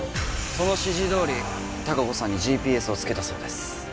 その指示どおり隆子さんにＧＰＳを付けたそうです